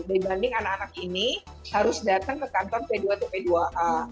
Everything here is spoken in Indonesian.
dibanding anak anak ini harus datang ke kantor p dua atau p dua a